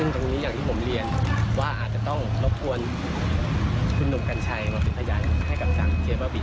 ตรงนี้อย่างที่ผมเรียนว่าอาจจะต้องรบกวนคุณหนุ่มกัญชัยมาเป็นพยานให้กับทางเจ๊บ้าบิน